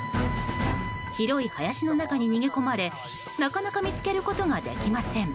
広い林の中に逃げ込まれなかなか見つけることができません。